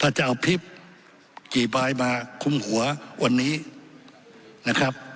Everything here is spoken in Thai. ถ้าจะเอาคลิปกี่ใบมาคุมหัววันนี้นะครับ